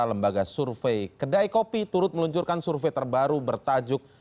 lembaga survei kedai kopi turut meluncurkan survei terbaru bertajuk